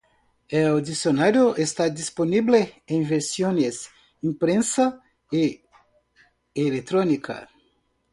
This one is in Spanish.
El diccionario está disponible en versiones impresa y electrónica.